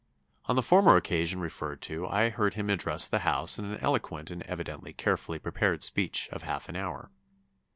On the former occasion referred to, I heard him address the House in an eloquent and evidently carefully prepared speech of half an hour.